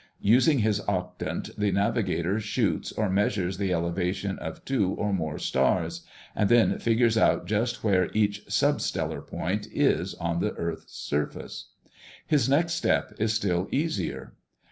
Using his octant, the navigator "shoots" or measures the elevation of two or more stars, and then figures out just where each "substellar" point is on the earth's surface. His next step is still easier.